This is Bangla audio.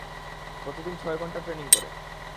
প্রতিদিন ছয় ঘণ্টা ট্রেনিং করে।